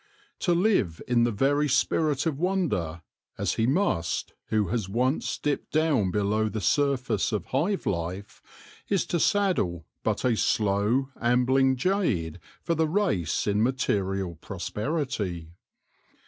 To live in the very spirit of wonder, as he must who has once dipped down below the surface of hive life, is to saddle but a slow, ambling jade for the race in material prosperity.